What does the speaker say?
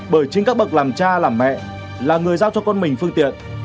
bởi chính các bậc làm cha làm mẹ là người giao cho con mình phương tiện